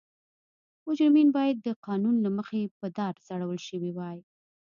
مجرمین باید د قانون له مخې په دار ځړول شوي وای.